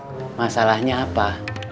semua orang pasti punya masalah tuh kang